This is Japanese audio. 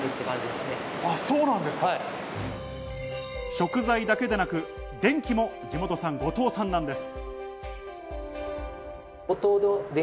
食材だけでなく、電気も地元産、五島産なんです。